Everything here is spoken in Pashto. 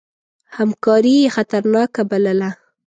همکاري یې خطرناکه بلله.